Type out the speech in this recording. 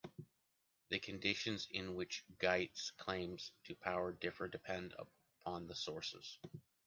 The conditions in which Gygès came to power differ, depending upon the sources.